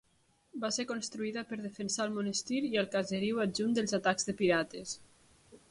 Va ser construïda per defensar el monestir i el caseriu adjunt dels atacs de pirates.